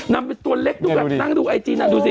มันเป็นตัวเล็กดูแบบนั่งดูไอจีน่ะดูสิ